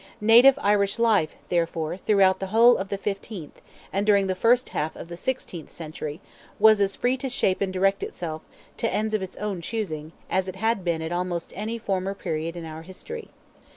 Native Irish life, therefore, throughout the whole of the fifteenth, and during the first half of the sixteenth century, was as free to shape and direct itself, to ends of its own choosing, as it had been at almost any former period in our history.